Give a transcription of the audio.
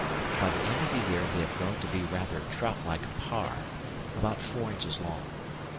By the end of the year they have grown to be rather trout like parr, about four inches long.